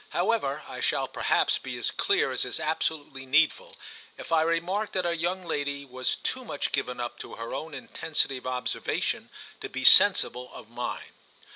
However, I shall perhaps be as clear as is absolutely needful if I remark that our young lady was too much given up to her own intensity of observation to be sensible of mine.